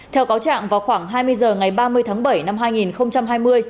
theo cáo trạng vào khoảng hai mươi h ngày ba mươi tháng bảy năm hai nghìn hai mươi